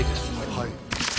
はい